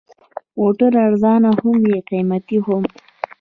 موټر ارزانه هم وي، قیمتي هم.